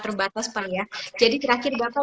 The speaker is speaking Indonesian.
terbatas pak ya jadi terakhir gagal